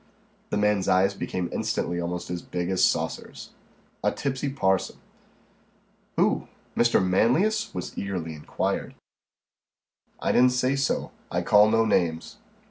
The man's eyes became instantly almost as big as saucers. "A tipsy parson." "Who? Mr. Manlius?" was eagerly inquired. "I didn't say so. I call no names."